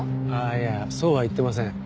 いやそうは言ってません。